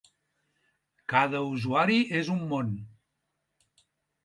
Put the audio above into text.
Cada usuari és un món.